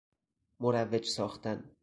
مروج ساختن